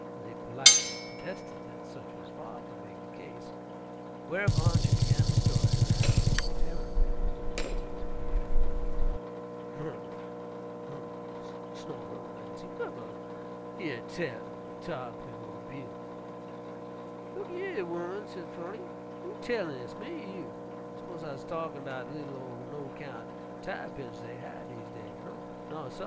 They politely protested that such was far from being the case, whereupon she began the story of how the Terrapin lost his beard. "Um umph!" snorted Aunt Nancy, "who uver year tell uv a tarr'pin wid a by'ud!" "Look a yer, ooman," said 'Phrony, "who tellin' dis, me er you? You s'pose I'se talkin' 'bout de li'l ol' no kyount tarr'pins dey has dese days? Naw, suh!